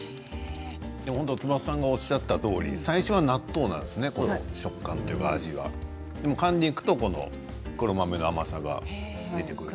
翼さんがおっしゃったとおり最初は納豆なんですね食感というか味はかんでいくと黒豆の甘さが出てくる。